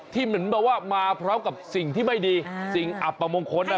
ที่เหมือนกับว่ามาเพราะกับสิ่งที่ไม่ดีสิ่งอับประมงคลนะครับ